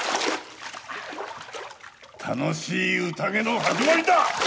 楽しい宴の始まりだ！